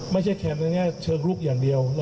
ไม่ใช่แค่เชิงลุกอย่างเดียว